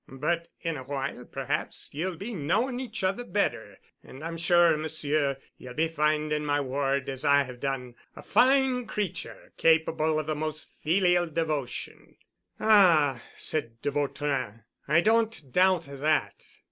But in a while, perhaps, ye'll be knowing each other better and I'm sure, Monsieur, ye'll be finding my ward as I have done, a fine creature capable of a most filial devotion." "Ah," said de Vautrin. "I don't doubt that.